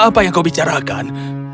apa yang kau bicarakan